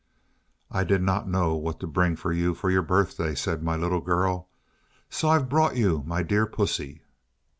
"'I did not know what to bring you for your birthday,' said my little girl, 'so I've brought you my dear pussy.'